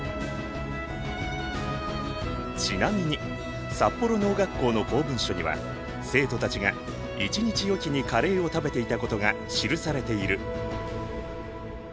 ちなみに札幌農学校の公文書には生徒たちが１日おきにカレーを食べていたことが記されている。